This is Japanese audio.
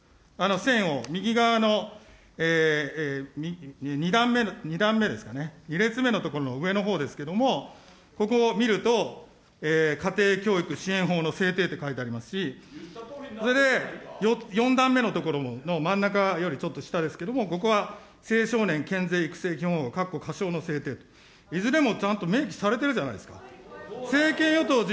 線を右側の、２段目ですかね、２列目のところの上のほうですけれども、ここを見ると、家庭教育支援法の制定と書いてありますし、それで４段目のところの真ん中よりちょっと下ですけれども、ここは青少年健全育成法、かっこかしょうの制定、いずれもちゃんと明記されてるじゃないですか。